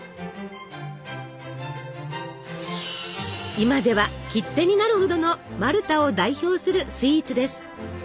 今では切手になるほどのマルタを代表するスイーツです。